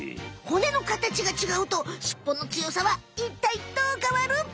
骨の形が違うとしっぽのつよさはいったいどうかわる？